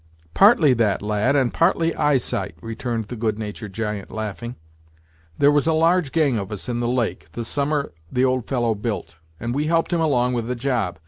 "Partly that, lad, and partly eyesight," returned the good natured giant, laughing; "there was a large gang of us in the lake, the summer the old fellow built, and we helped him along with the job.